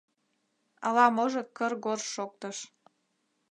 Ала-можо кыр-гор шоктыш.